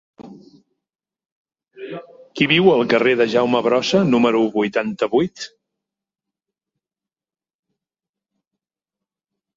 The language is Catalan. Qui viu al carrer de Jaume Brossa número vuitanta-vuit?